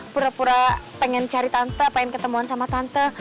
pura pura pengen cari tante pengen ketemuan sama tante